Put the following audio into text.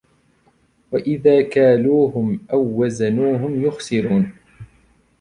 وإذا كالوهم أو وزنوهم يخسرون